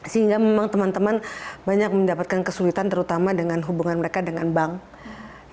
sehingga memang teman teman banyak mendapatkan kesulitan terutama dengan hubungan mereka dengan bank